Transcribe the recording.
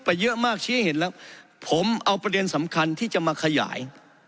พี่เลี่ยงเห็นแล้วผมเอาประเด็นสำคัญที่จะมันขยาย